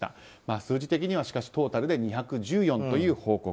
数字的にはしかしトータルで２１４という報告。